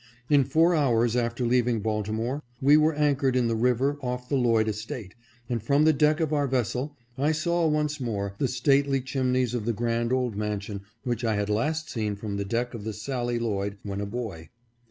In four hours after leaving Baltimore we were anchored ■ in the river off the Lloyd estate, and from the deck of our vessel I saw once more the stately chimneys of the grand old mansion which I had last seen from the deck of the Sallie Lloyd when a boy.